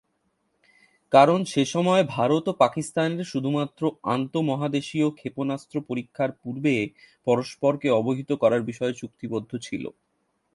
কারণ সেসময়ে ভারত ও পাকিস্তানের শুধুমাত্র আন্তঃমহাদেশীয় ক্ষেপণাস্ত্র পরীক্ষার পূর্বে পরস্পরকে অবহিত করার বিষয়ে চুক্তিবদ্ধ ছিল।